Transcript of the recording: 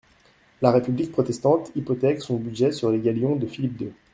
La république protestante hypothèque son budget sur les galions de Philippe deux.